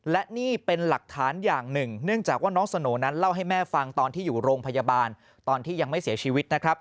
และนี่เป็นหลักฐานอย่างหนึ่งเนื่องจากว่าน้องสโน่นั้นเล่าให้แม่ฟังตอนที่อยู่โรงพยาบาลตอนที่ยังไม่เสียชีวิตนะครับ